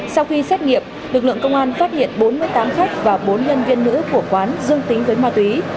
sau khi xét nghiệm lực lượng công an phát hiện bốn mươi tám khách và bốn nhân viên nữ của quán dương tính với ma túy